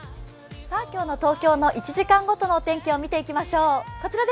今日の東京の１時間ごとのお天気を見ていきましょう。